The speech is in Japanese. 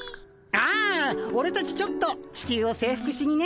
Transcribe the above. ああオレたちちょっとチキュウを征服しにね。